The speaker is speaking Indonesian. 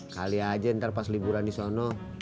kali aja ntar pas liburan disono